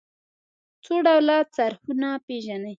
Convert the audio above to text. څو ډوله څرخونه پيژنئ.